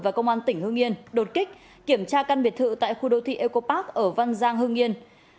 và công an tỉnh hương yên đột kích kiểm tra căn biệt thự tại khu đô thị ecopark ở văn giang hương yên